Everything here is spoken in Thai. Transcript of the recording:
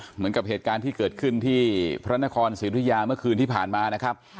เหมือนกับเหตุการณ์ที่เกิดขึ้นที่พระนครศรีธุยาเมื่อคืนที่ผ่านมานะครับ